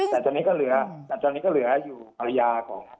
แต่ตอนนี้ก็เหลืออยู่ภรรยาของ